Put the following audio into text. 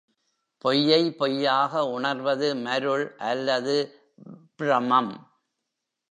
பொய்யை பொய்யாக உணர்வது மருள் அல்லது ப்ரமம்.